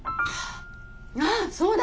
ああそうだ！